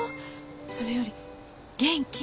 それより元気？